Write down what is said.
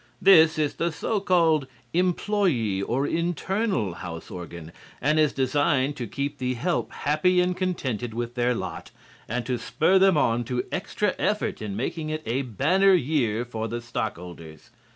This is the so called "employee or internal house organ" and is designed to keep the help happy and contented with their lot and to spur them on to extra effort in making it a banner year for the stockholders.